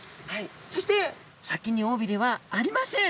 そして先におびれはありません。